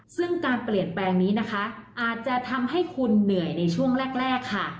ซึ่งการเปลี่ยนแปลงนี้นะคะอาจจะทำให้คุณเหนื่อยในช่วงแรกค่ะ